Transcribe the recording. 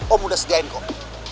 om udah sediain kok